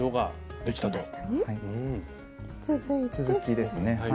続きですね。